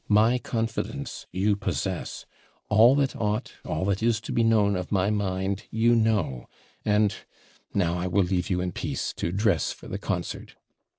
My confidence you possess; all that ought, all that is to be known of my mind, you know, and Now I will leave you in peace to dress for the concert.'